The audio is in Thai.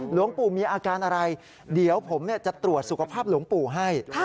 หลวงปู่มีอาการอะไรเดี๋ยวผมจะตรวจสุขภาพหลวงปู่ให้